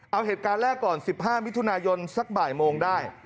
เอาเหตุการณ์แรกก่อน๑๕มิถุนายนสักบ่ายโมงได้